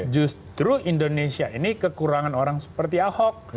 justru indonesia ini kekurangan orang seperti ahok